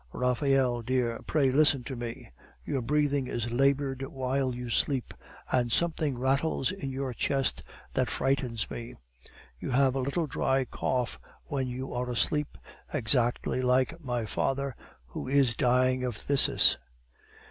Raphael, dear, pray listen to me. Your breathing is labored while you sleep, and something rattles in your chest that frightens me. You have a little dry cough when you are asleep, exactly like my father's, who is dying of phthisis.